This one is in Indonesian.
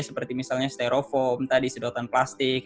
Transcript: seperti misalnya stereofoam tadi sedotan plastik